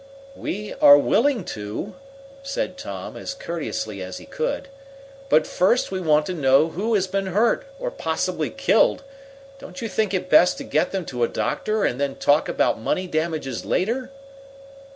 "We are willing to," said Tom, as courteously as he could. "But first we want to know who has been hurt, or possibly killed. Don't you think it best to get them to a doctor, and then talk about money damages later?"